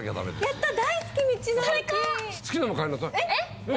やった！